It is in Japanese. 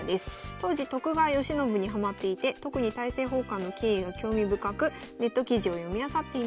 当時徳川慶喜にハマっていて特に大政奉還の経緯は興味深くネット記事を読みあさっていました。